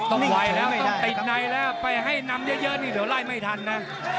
ไม่ไหวแล้วติดในแล้วไปให้นำเยอะนี่เดี๋ยวไล่ไม่ทันนะ